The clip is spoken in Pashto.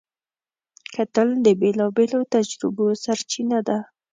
کتل د بېلابېلو تجربو سرچینه ده